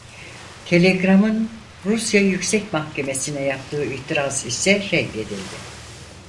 Telegram'ın Rusya Yüksek Mahkemesine yaptığı itiraz ise reddedildi.